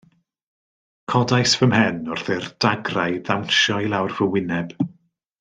Codais fy mhen wrth i'r dagrau ddawnsio i lawr fy wyneb.